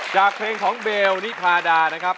จากเพลงของเบลนิพาดานะครับ